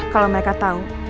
kalo mereka tau